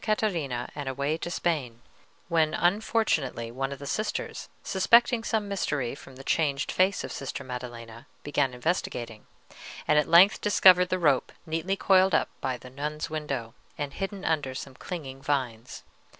Catarina and away to Spain, when unfortunately one of the sisters, suspecting some mystery, from the changed face of Sister Maddelena, began investigating, and at length discovered the rope neatly coiled up by the nun's window, and hidden under some clinging vines.